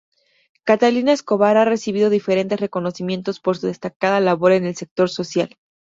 Catalina Escobar ha recibido diferentes reconocimientos por su destacada labor en el sector social.